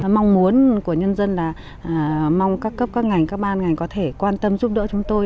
mong muốn của nhân dân là mong các cấp các ngành các ban ngành có thể quan tâm giúp đỡ chúng tôi